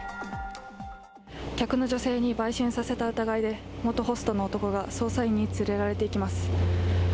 客の女性に売春させた疑いで元ホストの男が捜査員に連れられていきます。